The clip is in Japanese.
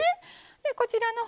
こちらの方